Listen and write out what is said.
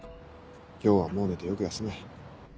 今日はもう寝てよく休め。